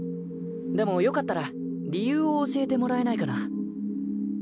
でも良かったら理由を教えてもらえないかな。